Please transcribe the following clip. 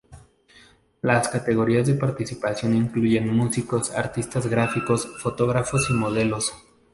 Las categorías de participación incluyen músicos, artistas gráficos, fotógrafos y modelos.